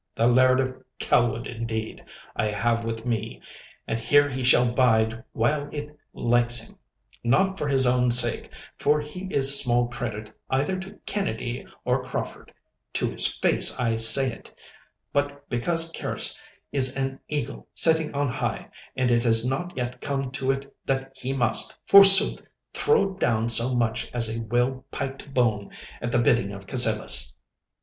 The Laird of Kelwood indeed, I have with me, and here he shall bide while it likes him—not for his own sake, for he is small credit either to Kennedy or Crauford (to his face I say it), but because Kerse is an eagle sitting on high, and it has not yet come to it that he must, forsooth, throw down so much as a well pyked bone at the bidding of Cassillis.